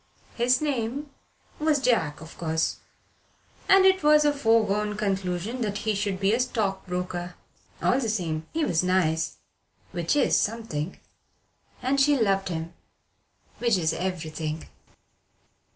His name was John, of course, and it was a foregone conclusion that he should be a stock broker. All the same, he was nice, which is something: and she loved him, which is everything.